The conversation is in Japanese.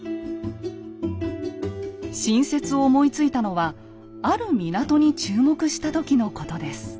新説を思いついたのはある港に注目した時のことです。